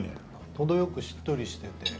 ほどよくしっとりしてて。